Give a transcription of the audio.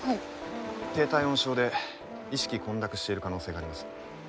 低体温症で意識混濁している可能性があります。